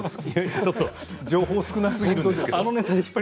ちょっと情報が少なすぎるんですけど。